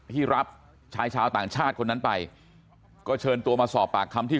ที่รับชายชาวต่างชาติคนนั้นไปก็เชิญตัวมาสอบปากคำที่